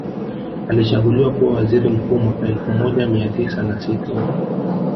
Alichaguliwa kuwa waziri mkuu mwaka elfu moja mia tisa na sitini